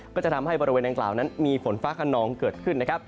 ก็จะทำให้บริเวณดังกล่าวนั้นมีฝนฟ้าขนองเกิดขึ้นนะครับ